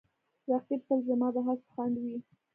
رقیب تل زما د هڅو خنډ وي